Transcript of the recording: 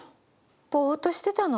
ぼっとしてたの？